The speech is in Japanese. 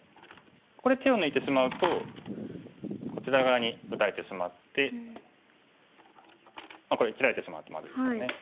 ここで手を抜いてしまうとこちら側に打たれてしまってこれ切られてしまうとまずいですからね。